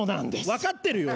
分かってるよ。